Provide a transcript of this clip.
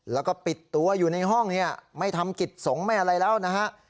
แล้วก็ปิดตัวอยู่ในห้องเนี่ยไม่ทำกิจสงฆ์ไม่อะไรแล้วนะฮะ